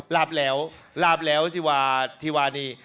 ลาบแหลวลาบแหลวที่วันนี้